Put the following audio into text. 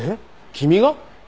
君が？